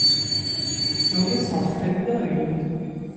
جای صاف تری دارید؟